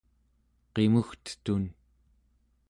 qimugtetun